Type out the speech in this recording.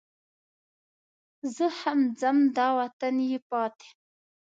زه هم ځم دا وطن یې پاتې.